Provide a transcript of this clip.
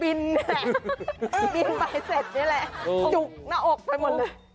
บินไปเสร็จนี่แหละจุกหน้าอกไปหมดเลย